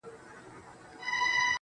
دلته مصرف کړي